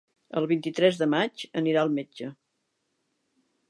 El vint-i-tres de maig anirà al metge.